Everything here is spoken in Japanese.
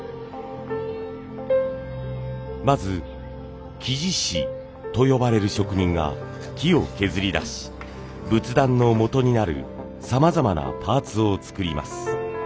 まず木地師と呼ばれる職人が木を削り出し仏壇のもとになるさまざまなパーツを作ります。